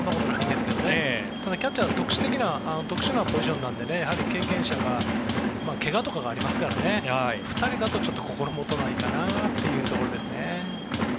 ですがキャッチャーは特殊なポジションなので経験者が怪我とかがありますから２人だと心もとないかなというところですね。